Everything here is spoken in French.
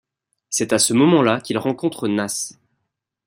C'est à ce moment-là qu'il rencontre Nas.